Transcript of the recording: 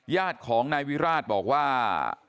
ญาติของนายวิราชบอกว่า